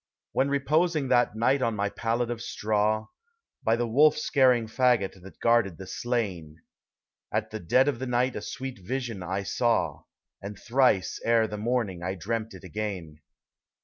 When reposing that night on my pallet of straw. By the wolf scaring fagot that guarded the slain ; At the dead of the night a sweet vision I saw, And thrice ere the morning I dreamt it again.